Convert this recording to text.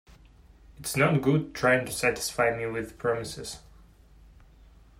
It's no good trying to satisfy me with promises.